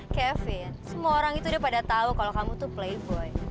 kevin semua orang itu udah pada tahu kalau kamu tuh playvoy